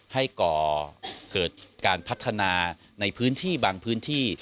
ก่อเกิดการพัฒนาในพื้นที่บางพื้นที่